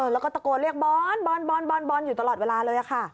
แล้วก็ตะโกนเรียกบอลบอลอยู่ตลอดเวลาเลยค่ะ